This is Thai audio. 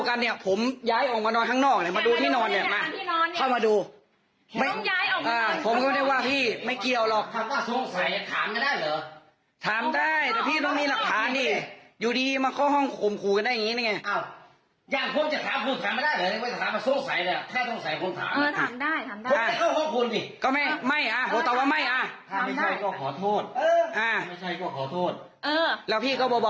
แค่พี่เขามันก็ไม่ใช่แล้วมันก็ไม่ใช่แล้ววันหนูแล้วเพราะว่าหนูยังไม่ได้ทำอะไรให้พี่อ่า